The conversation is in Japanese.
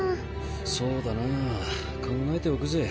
そうだなぁ考えておくぜ。